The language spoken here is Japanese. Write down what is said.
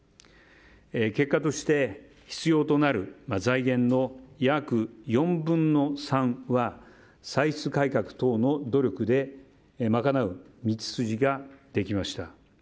結果として、必要となる財源の約４分の３は歳出改革等の努力で賄う道筋ができました。